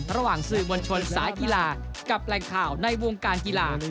ระหว่างสื่อมวลชนสายกีฬากับแหล่งข่าวในวงการกีฬา